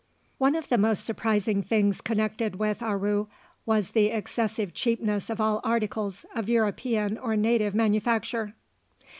One of the most surprising things connected with Aru was the excessive cheapness of all articles of European or native manufacture.